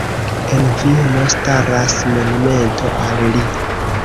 En Vieno staras monumento al li.